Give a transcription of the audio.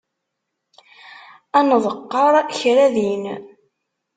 Ad nḍeqqer kra din.